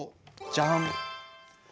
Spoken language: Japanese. ジャン。